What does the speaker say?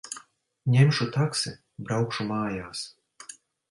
Ņemšu taksi. Braukšu mājās.